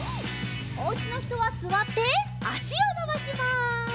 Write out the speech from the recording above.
おうちのひとはすわってあしをのばします。